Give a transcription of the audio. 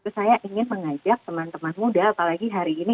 saya ingin mengajak teman teman muda apalagi hari ini